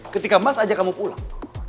ketika mas ajak kamu pulang